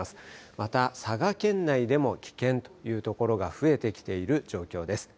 また佐賀県内でも危険というところが増えてきている状況です。